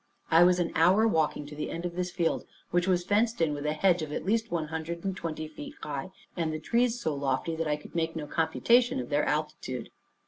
I was an hour walking to the end of this field, which was fenced in with a hedge of at least one hundred and twenty feet high, and the trees so lofty that I could make no computation of their altitude.